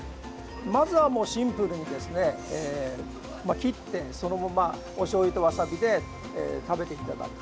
まずはシンプルに、切ってそのまま、おしょうゆとわさびで食べていただく。